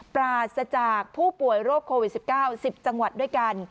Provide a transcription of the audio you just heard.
ปราศจากผู้ป่วยโรคโควิด๑๙๑๐จังหวัดด้วยกัน